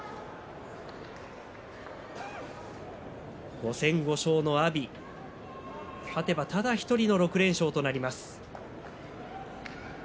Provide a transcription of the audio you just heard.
５戦５勝の阿炎勝てばただ１人の６連勝となります。